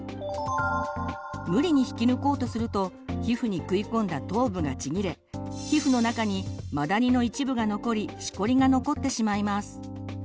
無理に引き抜こうとすると皮膚に食い込んだ頭部がちぎれ皮膚の中にマダニの一部が残りしこりが残ってしまいます。